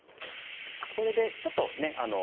これでちょっとね